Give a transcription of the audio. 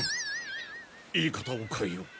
言い方をかえよう。